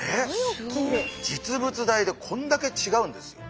実物大でこんだけ違うんですよ。